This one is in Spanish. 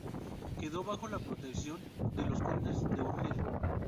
Quedó bajo la protección de los condes de Urgel.